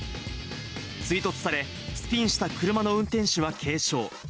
追突され、スピンした車の運転手は軽傷。